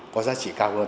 có giá trị cao hơn